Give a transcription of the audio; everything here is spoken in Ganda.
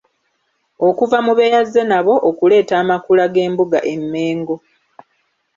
Okuva mu be yazze nabo okuleeta amakula g’embuga e Mengo.